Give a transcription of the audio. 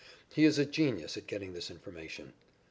He is a genius at getting this information.